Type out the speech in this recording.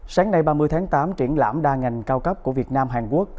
sáng nay ba mươi tháng tám triển lãm đa ngành cao cấp của việt nam hàn quốc